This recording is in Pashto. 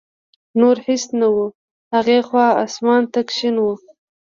نور هېڅ نه و، هغې خوا اسمان تک شین و.